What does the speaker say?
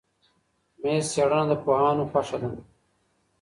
میز څېړنه د پوهانو خوښه ده.